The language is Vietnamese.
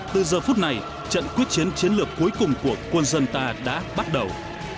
từ giờ phút này trận quyết chiến chiến lược cuối cùng của quân dân ta đã bắt đầu